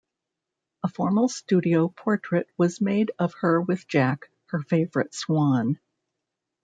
A formal studio portrait was made of her with Jack, her favorite swan.